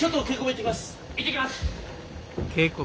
行ってきます。